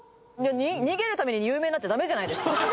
逃げるために有名になっちゃダメじゃないですか。